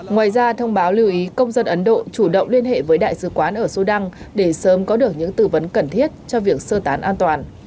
ngoài ra thông báo lưu ý công dân ấn độ chủ động liên hệ với đại sứ quán ở sudan để sớm có được những tư vấn cần thiết cho việc sơ tán an toàn